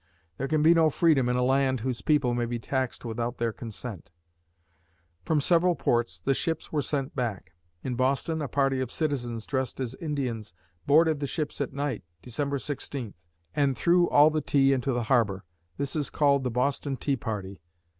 There can be no freedom in a land whose people may be taxed without their consent. From several ports, the ships were sent back. In Boston, a party of citizens dressed as Indians, boarded the ships at night, December 16, and threw all the tea into the harbor. This is called the Boston Tea Party.